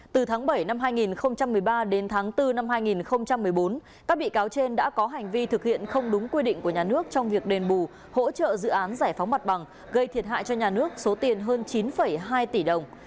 từ tháng bảy năm hai nghìn một mươi ba đến tháng bốn năm hai nghìn một mươi bốn các bị cáo trên đã có hành vi thực hiện không đúng quy định của nhà nước trong việc đền bù hỗ trợ dự án giải phóng mặt bằng gây thiệt hại cho nhà nước số tiền hơn chín hai tỷ đồng